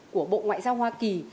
của bộ ngoại giao hoa kỳ